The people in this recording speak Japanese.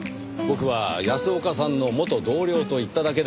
僕は安岡さんの元同僚と言っただけです。